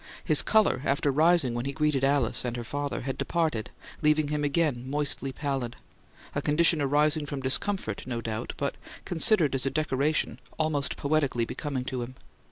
His colour, after rising when he greeted Alice and her father, had departed, leaving him again moistly pallid; a condition arising from discomfort, no doubt, but, considered as a decoration, almost poetically becoming to him.